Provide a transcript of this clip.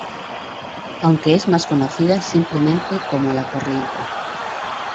Aunque es más conocida simplemente como La Corriente.